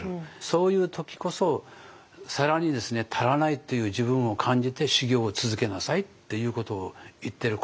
そういう時こそ更に足らないという自分を感じて修業を続けなさいっていうことを言ってる。